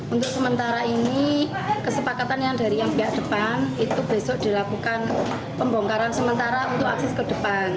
untuk sementara ini kesepakatan yang dari yang pihak depan itu besok dilakukan pembongkaran sementara untuk akses ke depan